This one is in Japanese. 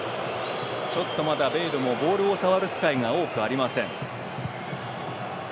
まだベイルもボールを触る機会が多くありません。